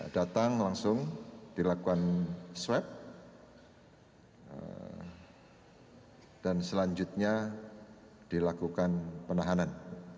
datang langsung dilakukan swab dan selanjutnya dilakukan penahanan